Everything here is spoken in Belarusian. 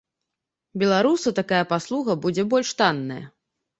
Беларусу такая паслуга будзе больш танная.